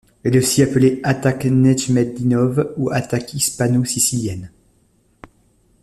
Elle est aussi appelée attaque Nejmetdinov ou attaque hispano-sicilienne.